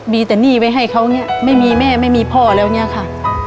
มีแต่หนี้ไว้ให้เขาเนี่ยไม่มีแม่ไม่มีพ่อแล้วเนี่ยค่ะ